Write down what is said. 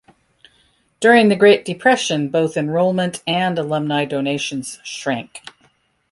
During the Great Depression, both enrollment and alumni donations shrank.